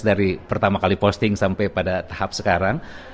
dari pertama kali posting sampai pada tahap sekarang